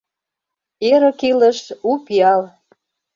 Эрык илыш — у пиал!